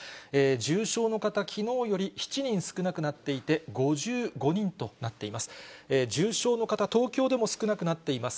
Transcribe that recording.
重症の方、きのうより７人少なくなっていて、５５人となっています。